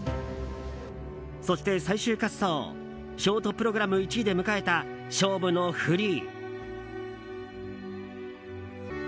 そして、最終滑走ショートプログラム１位で迎えた勝負のフリー。